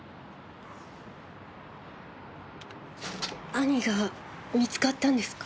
兄が見つかったんですか？